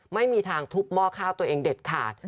ไม่มีทางทุบหม้อข้าวตัวเองเด็ดขาด